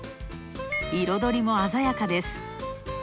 彩りも鮮やかです。